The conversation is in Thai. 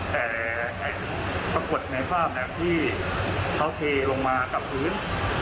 แต่ปรากฏในภาพแบบที่เขาเทลงมากับพื้น